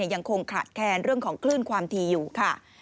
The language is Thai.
ยังคงขาดแคลนเรื่องของคลื่นความทีอยู่ค่ะ